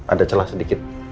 ada celah sedikit